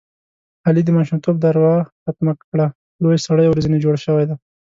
علي د ماشومتوب دروه ختمه کړله لوی سړی ورځنې جوړ شوی دی.